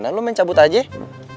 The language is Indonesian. nah lu main cabut aja ya